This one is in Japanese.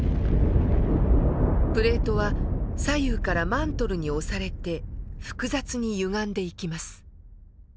プレートは左右からマントルに押されて複雑にゆがんでいきます。